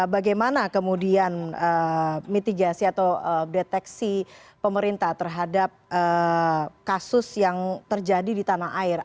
bagaimana kemudian mitigasi atau deteksi pemerintah terhadap kasus yang terjadi di tanah air